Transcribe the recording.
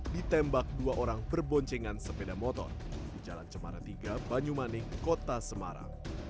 ditembak dua orang berboncengan sepeda motor di jalan cemara tiga banyumanik kota semarang